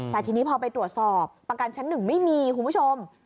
แต่ทีนี้พอไปตรวจสอบประกันชั้น๑ไม่มีคุณผู้ชม